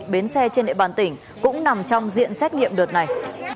bến xe trên địa bàn tỉnh cũng nằm trong diện xét nghiệm đợt này